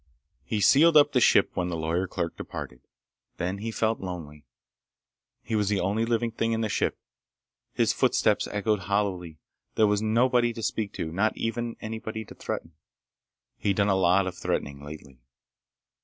He sealed up the ship when the lawyer's clerk departed. Then he felt lonely. He was the only living thing in the ship. His footsteps echoed hollowly. There was nobody to speak to. Not even anybody to threaten. He'd done a lot of threatening lately.